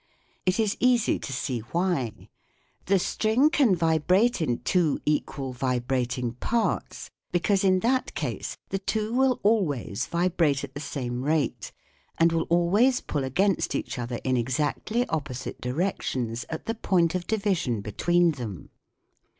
It is easy to see why. The string can vibrate in two equal vibrating parts, because in that case the two will always vibrate at the same rate and will always SOUND IN MUSIC 45 pull against each other in exactly opposite direc tions at the point of division between them.